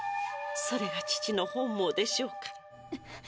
それが父の本望でしょうから。